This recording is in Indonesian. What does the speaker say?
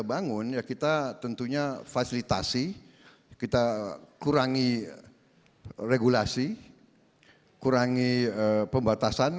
kita bangun ya kita tentunya fasilitasi kita kurangi regulasi kurangi pembatasan